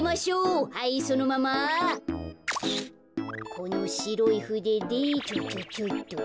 このしろいふででチョチョチョイと。